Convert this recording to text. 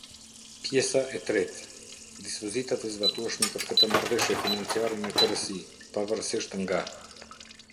Pjesa e tretë: Dispozitat e zbatueshme për këtë Marrëveshje Financiare në tërësi, pavarësisht nga.